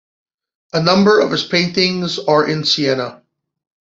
A number of his paintings are in Siena.